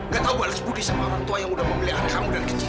gak tahu balik bodi sama orang tua yang sudah membeli anak kamu dari kecil